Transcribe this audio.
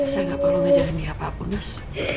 saya gak perlu ngajarin dia apapun mas